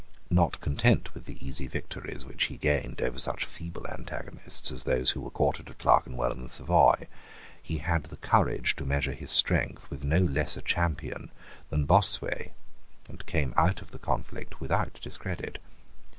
Not content with the easy victories which he gained over such feeble antagonists as those who were quartered at Clerkenwell and the Savoy, he had the courage to measure his strength with no less a champion than Bossuet, and came out of the conflict without discredit.